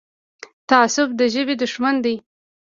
تعصب د ژبې دښمن دی.